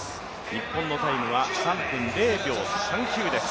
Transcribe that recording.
日本のタイムは３分０秒３９です。